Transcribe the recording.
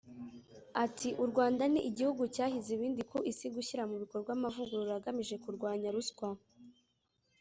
Ati “U Rwanda ni igihugu cyahize ibindi ku isi gushyira mu bikorwa amavugurura agamije kurwanya ruswa